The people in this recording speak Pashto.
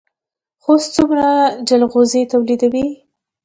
خوست څومره جلغوزي تولیدوي؟